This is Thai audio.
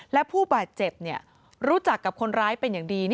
และผู้บาดเจ็บรู้จักกับคนร้ายเป็นอย่างดี